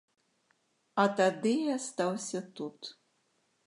А тады і астаўся тут.